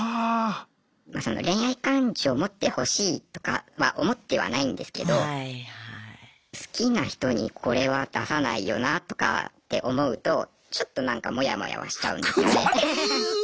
恋愛感情持ってほしいとかは思ってはないんですけど好きな人にこれは出さないよなとかって思うとちょっとなんかモヤモヤはしちゃうんですよね。